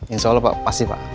insya allah pak pasti pak